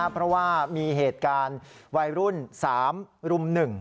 เพราะว่ามีเหตุการณ์วัยรุ่น๓รุม๑